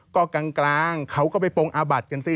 ก็กลางเขาก็ไปปรงอาบัดกันสิ